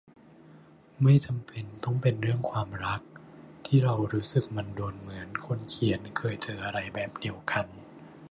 ไม่จำเป็นต้องเป็นเรื่องความรัก ที่เรารู้สึกมันโดน เหมือนคนเขียนเคยเจออะไรแบบเดียวกัน